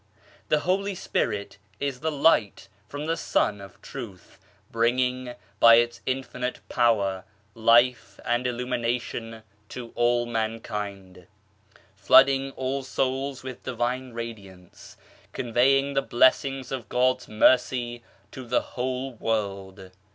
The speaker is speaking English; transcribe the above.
The Holy Spirit is the Light from the Sun of Truth bringing, by its Infinite power, life and illumination to all mankind, flooding all souls with Divine Radiance, conveying the Blessings of God's mercy to the whole world.